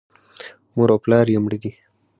مور او پلار یې مړه دي .